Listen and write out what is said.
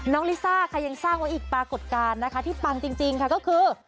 น้องลิซ่าค่ะยังสร้างอีกปรากฏการณ์ที่ปังจริงค่ะก็คือ